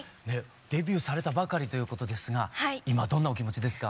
デビューされたばかりということですが今どんなお気持ちですか？